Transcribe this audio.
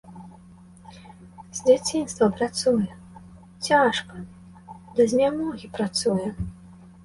З дзяцінства працуе, цяжка, да знямогі працуе.